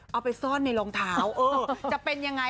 เอาไปซ่อนในรองเท้าเออจะเป็นอย่างไร